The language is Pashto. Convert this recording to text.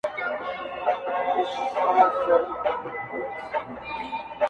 یو څه بېخونده د ده بیان دی-